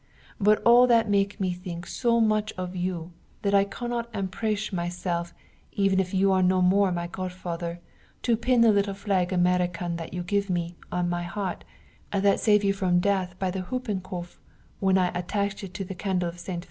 But all that make me think so much of you, that I cannot empeche myself even if you are no more my godfather, to pin the little flag American that you give me, on my heart, that save you from the death by the hoopincoff when I attach it to the candle of the Ste.